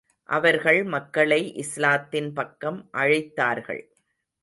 அவர்கள் மக்களை இஸ்லாத்தின் பக்கம் அழைத்தார்கள்.